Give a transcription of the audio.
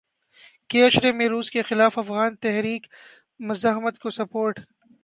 کے عشرے میں روس کے خلاف افغان تحریک مزاحمت کو سپورٹ